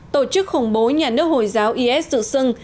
tổ chức khủng bố nhà nước hồi giáo is dự xưng